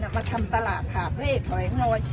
อะมาทำตลาดถาบเลขแผงรอย